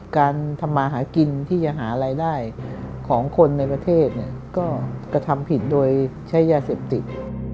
การทำมาหากินที่จะหารายได้ของคนในประเทศก็กระทำผิดโดยใช้ยาเสพติด